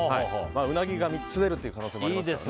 うなぎが３つ出る可能性もありますから。